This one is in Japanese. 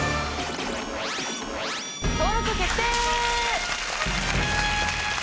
登録決定！